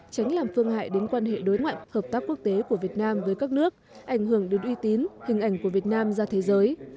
tránh làm phương hại đến quan hệ đối ngoại hợp tác quốc tế của việt nam với các nước ảnh hưởng đến uy tín hình ảnh của việt nam ra thế giới